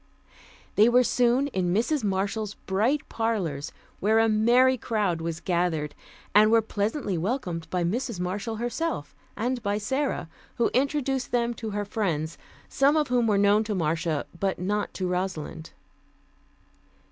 They were soon in Mrs. Marshall's bright parlors, where a merry crowd was gathered, and were pleasantly welcomed by Mrs. Marshall herself, and by Sara, who introduced them to her friends, some of whom were known to Marcia, but not to Rosalind.